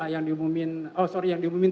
yang diumumin oh sorry yang diumumin